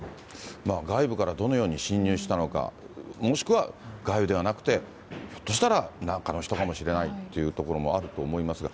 外部からどのように侵入したのか、もしくは外部ではなくて、ひょっとしたら中の人かもしれないということもあると思いますが。